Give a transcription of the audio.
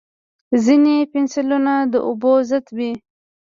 ځینې پنسلونه د اوبو ضد وي.